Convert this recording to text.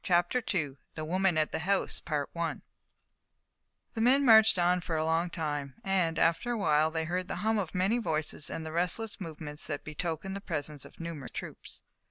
CHAPTER II THE WOMAN AT THE HOUSE The men marched on for a long time, and, after a while, they heard the hum of many voices and the restless movements that betokened the presence of numerous troops.